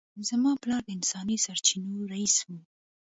زما پلار د انساني سرچینو رییس و